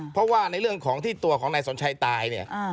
เพราะว่าในเรื่องของที่ตัวของนายสนชัยตายเนี่ย